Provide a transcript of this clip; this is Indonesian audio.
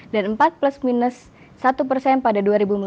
dan empat lima satu pada dua ribu lima belas